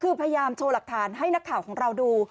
คือพยายามโชว์หลักฐานให้นักข่าวของเราดู